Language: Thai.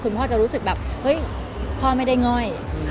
พ่อจะรู้สึกแบบเฮ้ยพ่อไม่ได้ง่อย